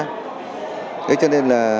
thế cho nên là